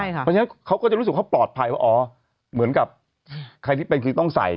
เพราะฉะนั้นเขาก็จะรู้สึกเขาปลอดภัยว่าอ๋อเหมือนกับใครที่เป็นคือต้องใส่